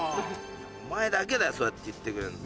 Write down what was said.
お前だけだよそうやって言ってくれんの。